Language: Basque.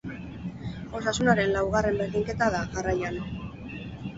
Osasunaren laugarren berdinketa da, jarraian.